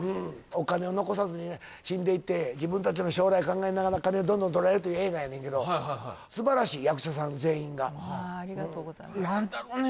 お金を残さずにね死んでいって自分たちの将来考えながら金をどんどんとられるという映画やねんけどありがとうございます何だろうね